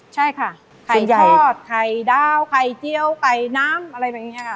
ใช่ค่ะไข่ทอดไข่ดาวไข่เจียวไก่น้ำอะไรแบบนี้ค่ะ